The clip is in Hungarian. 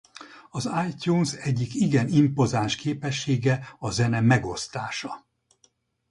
Az iTunes egyik igen impozáns képessége a Zene megosztása.